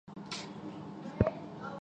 其中一种常用的手法是推拿。